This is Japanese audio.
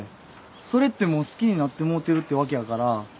それってもう好きになってもうてるってわけやから。